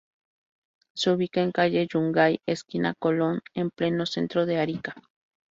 Se ubica en calle Yungay, esquina Colón, en pleno centro de Arica.